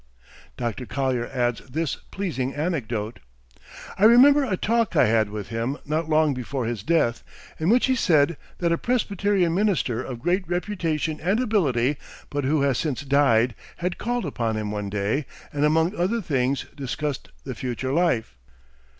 Dr. Collyer adds this pleasing anecdote: "I remember a talk I had with him not long before his death, in which he said that a Presbyterian minister of great reputation and ability, but who has since died, had called upon him one day and among other things discussed the future life.